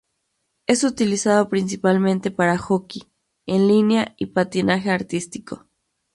Es utilizado principalmente para hockey en línea y patinaje artístico.